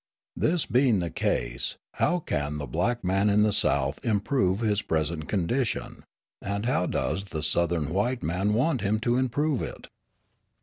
This being the case, how can the black man in the South improve his present condition? And does the Southern white man want him to improve it?